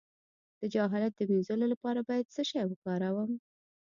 د جهالت د مینځلو لپاره باید څه شی وکاروم؟